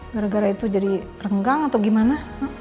gara gara itu jadi renggang atau gimana